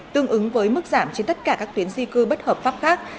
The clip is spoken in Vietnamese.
tương ứng với mức giảm trên tất cả các tuyến di cư bất hợp pháp khác